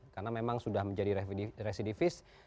karena memang sudah menjadi residivis